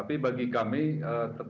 apakah apa teman teman